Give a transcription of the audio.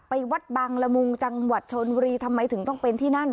ไปวัดบางละมุงจังหวัดชนบุรีทำไมถึงต้องเป็นที่นั่น